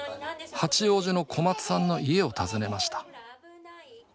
八王子の小松さんの家を訪ねました。